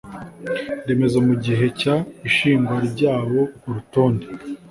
remezo mu gihe cy ishingwa ryawo urutonde